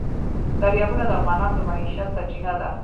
دریابونه د افغانانو د معیشت سرچینه ده.